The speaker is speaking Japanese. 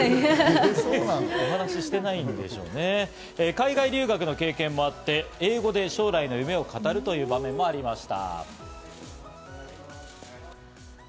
海外留学の経験もあって英語で将来の夢を語るという場面もありました。